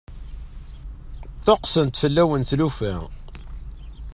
Ṭṭuqqtent fell-awen tlufa.